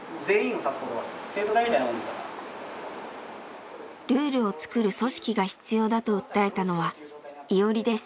ルールを作る組織が必要だと訴えたのはイオリです。